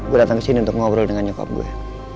gue datang kesini untuk ngobrol dengan nyokap gue